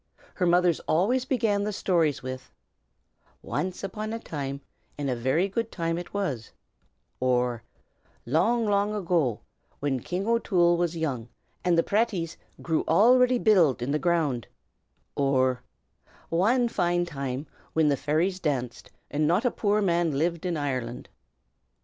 Her mother always began the stories with, "Wanst upon a time, and a very good time it was;" or, "Long, long ago, whin King O'Toole was young, and the praties grew all ready biled in the ground;" or, "Wan fine time, whin the fairies danced, and not a poor man lived in Ireland."